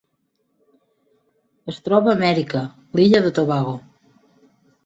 Es troba a Amèrica: l'illa de Tobago.